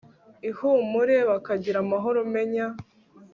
ihumure, bakagira amahoro , menya